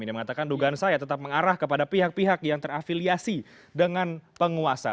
ini mengatakan dugaan saya tetap mengarah kepada pihak pihak yang terafiliasi dengan penguasa